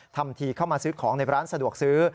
ทำทีเข้ามาซื้อของในร้านสะดวกซื้อ